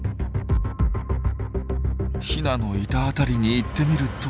ヒナのいた辺りに行ってみると。